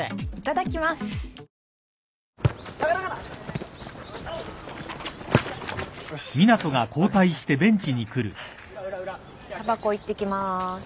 たばこ行ってきまーす。